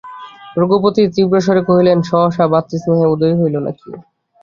রঘুপতি তীব্রস্বরে কহিলেন, সহসা ভ্রাতৃস্নেহের উদয় হইল নাকি?